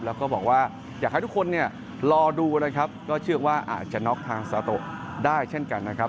แล้วก็บอกว่าอยากให้ทุกคนเนี่ยรอดูนะครับก็เชื่อว่าอาจจะน็อกทางซาโตได้เช่นกันนะครับ